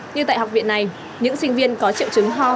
như tại học viện này những sinh viên có triệu chứng ho